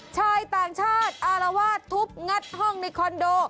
ชายต่างชาติอารวาสทุบงัดห้องในคอนโด